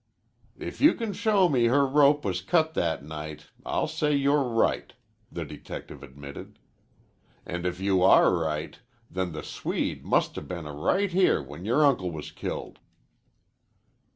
"If you can show me her rope was cut that night, I'll say you're right," the detective admitted. "And if you are right, then the Swede must 'a' been right here when your uncle was killed."